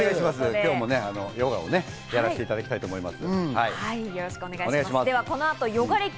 今日もヨガをやらせていただきたいと思います。